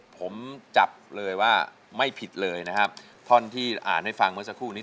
ผมจับเลยว่าไม่ผิดเลยนะครับท่อนที่อ่านให้ฟังเมื่อสักครู่นี้